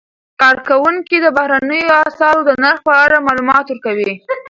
کارکوونکي د بهرنیو اسعارو د نرخ په اړه معلومات ورکوي.